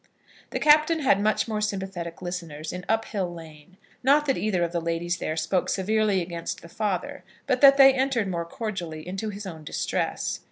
The Captain had much more sympathetic listeners in Uphill Lane; not that either of the ladies there spoke severely against his father, but that they entered more cordially into his own distresses.